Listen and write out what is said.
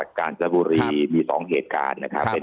ท่านรองโฆษกครับ